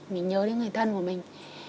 mình nhớ đến người thân của mình